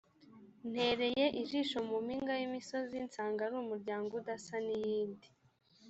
ntereye ijisho mu mpinga y’imisozi, nsanga ari umuryango udasa n’iyindi.